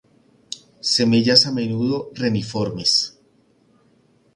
Semillas a menudo reniformes.